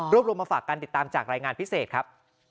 รวมมาฝากกันติดตามจากรายงานพิเศษครับ